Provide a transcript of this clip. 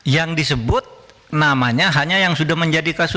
yang disebut namanya hanya yang sudah menjadi kasus